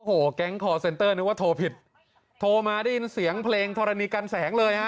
โอ้โหแก๊งคอร์เซ็นเตอร์นึกว่าโทรผิดโทรมาได้ยินเสียงเพลงธรณีกันแสงเลยฮะ